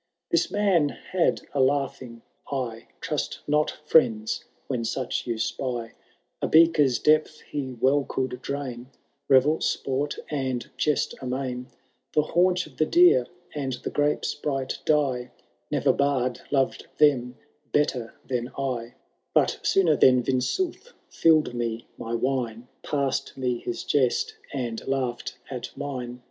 This man had a laughing eye, Trust not, friends, when such you spy ; A beaker^ depth he well could drain, Beyel, sport, and jest amaig— The haunch of the deer and the grape*s bright dye Never bard loved them better than I ; But sooner than Yinsauf fill*d me my wine, Pafls*d me his jest, and laogVd at mine.